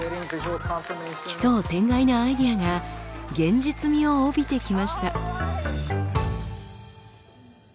奇想天外なアイデアが現実味を帯びてきました。